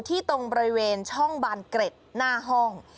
ตรงบริเวณช่องบานเกร็ดหน้าห้อง